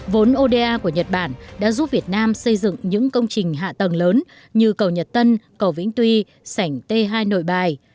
vốn oda của nhật bản đã giúp việt nam xây dựng những công trình hạ tầng lớn như cầu nhật tân cầu vĩnh tuy sảnh t hai nội bài